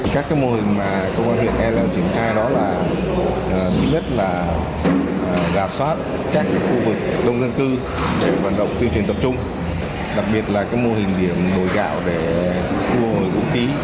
các mô hình công an huyện ea leo chuyển khai đó là thứ nhất là gạt xoát các khu vực đông dân cư để vận động tiêu chuyển tập trung đặc biệt là các mô hình điểm đổi gạo để thu hồi vũ khí